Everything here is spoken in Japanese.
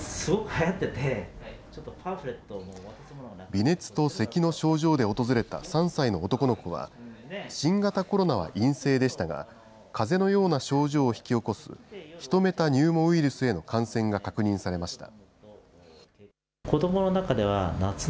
微熱とせきの症状で訪れた３歳の男の子は、新型コロナは陰性でしたが、かぜのような症状を引き起こす、ヒトメタニューモウイルスへの感染が確認されました。